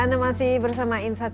anda masih bersama insight